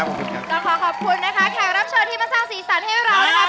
ขอบคุณค่ะขอบคุณค่ะ